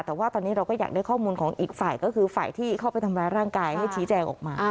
แต่ว่าตอนนี้เราก็อยากได้ข้อมูลของอีกฝ่ายก็คือฝ่ายที่เข้าไปทำร้ายร่างกายให้ชี้แจงออกมา